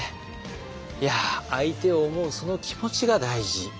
いや相手を思うその気持ちが大事。